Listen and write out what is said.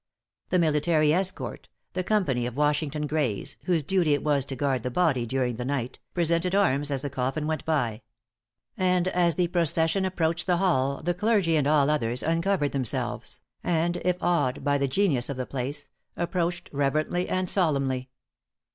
The military escort, the company of Washington Greys, whose duty it was to guard the body during the night, presented arms as the coffin went by; and as the procession approached the Hall, the clergy, and all others uncovered themselves, and, if awed by the genius of the place, approached reverently and solemnly.